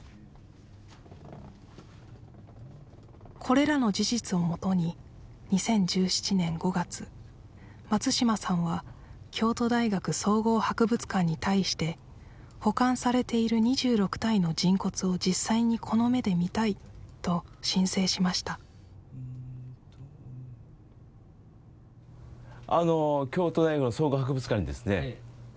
これらの事実をもとに２０１７年５月松島さんは京都大学総合博物館に対して保管されている２６体の人骨を実際にこの目で見たいと申請しました京都大学総合博物館にですね